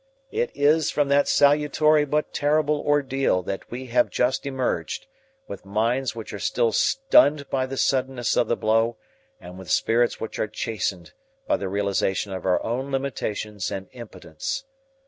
It is from that salutory but terrible ordeal that we have just emerged, with minds which are still stunned by the suddenness of the blow and with spirits which are chastened by the realization of our own limitations and impotence.